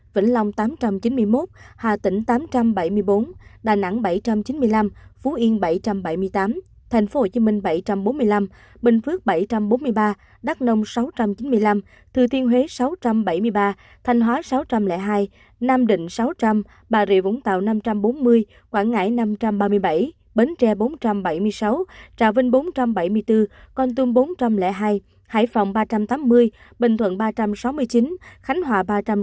vĩnh long tám trăm chín mươi một hà tĩnh tám trăm bảy mươi bốn đà nẵng bảy trăm chín mươi năm phú yên bảy trăm bảy mươi tám tp hcm bảy trăm bốn mươi năm bình phước bảy trăm bốn mươi ba đắk nông sáu trăm chín mươi năm thư thiên huế sáu trăm bảy mươi ba thanh hóa sáu trăm linh hai nam định sáu trăm linh bà rịa vũng tàu năm trăm bốn mươi quảng ngãi năm trăm ba mươi bảy bến tre bốn trăm bảy mươi sáu trà vinh bốn trăm bảy mươi bốn con tum bốn trăm linh hai hải phòng ba trăm tám mươi bình thuận ba trăm sáu mươi chín khánh hòa ba trăm sáu mươi một